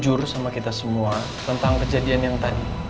jujur sama kita semua tentang kejadian yang tadi